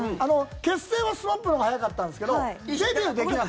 結成はＳＭＡＰのほうが早かったんですけどデビューできなくて。